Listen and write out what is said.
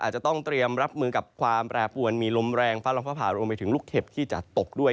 อาจจะต้องเตรียมรับมือกับความแปรปวนมีลมแรงฟ้าร้องฟ้าผ่ารวมไปถึงลูกเห็บที่จะตกด้วย